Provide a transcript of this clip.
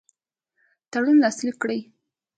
تړون لاسلیک کړي.